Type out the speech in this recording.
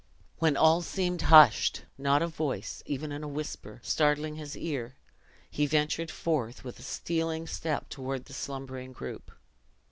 When all seemed hushed not a voice, even in a whisper, startling his ear he ventured forth with a stealing step toward the slumbering group.